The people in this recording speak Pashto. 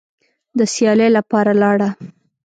د سیالۍ لپاره لاړه